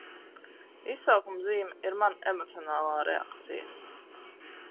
!, ir mana emocionālā reakcija.